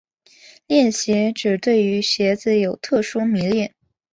恋鞋指对于鞋子有特殊迷恋。